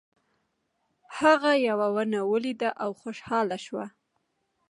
هغه یوه ونه ولیده او خوشحاله شو.